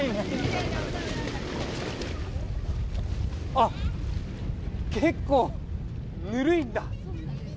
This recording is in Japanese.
あっ、結構ぬるいんだ。